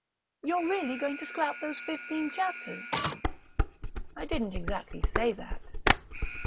"You're really going to scrap those fifteen chapters?" "I didn't exactly say that."